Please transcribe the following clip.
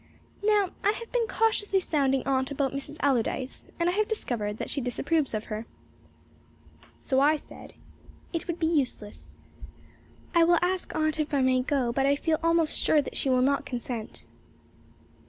Now, I have been cautiously sounding Aunt about Mrs. Allardyce, and I have discovered that she disapproves of her. So I said: "It would be useless. I will ask Aunt if I may go, but I feel almost sure that she will not consent."